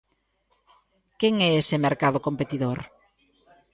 Quen é ese mercado competidor?